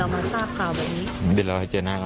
มันทำแบบนี้อยู่ตดีเรามาชาวแบบนี้